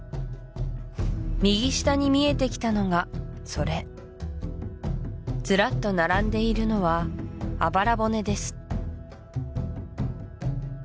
右下に見えてきたのがそれずらっと並んでいるのはあばら骨です